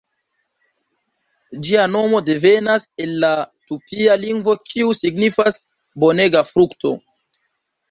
Ĝia nomo devenas el la tupia lingvo kiu signifas "bonega frukto".